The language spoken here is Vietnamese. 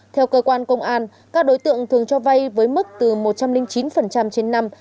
theo cơ quan công an các đối tượng thường cho vay với mức từ một trăm linh chín trên năm